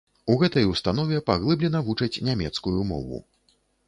У гэтай установе паглыблена вучаць нямецкую мову.